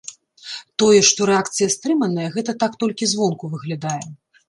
Тое, што рэакцыя стрыманая, гэта так толькі звонку выглядае.